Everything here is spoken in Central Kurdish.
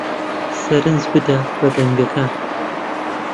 سرنج بدە بە دەنگەکان